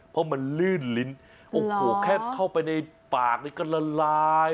เพราะมันลื่นลิ้นโอ้โหแค่เข้าไปในปากนี่ก็ละลาย